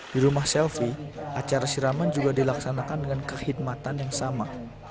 di rumah selvi acara siraman juga dilaksanakan dengan kehidmatan yang sama